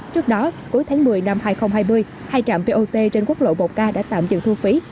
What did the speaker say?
trước đó cuối tháng một mươi năm hai nghìn hai mươi hai trạm bot trên quốc lộ một k đã tạm dừng thu phí